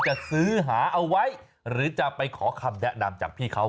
จะซื้อหาเอาไว้หรือจะไปขอคำแนะนำจากพี่เขา